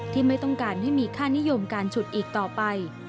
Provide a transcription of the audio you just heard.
ไม่ต้องการให้มีค่านิยมการฉุดอีกต่อไป